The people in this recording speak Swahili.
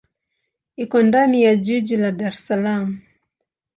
Iko ndani ya jiji la Dar es Salaam.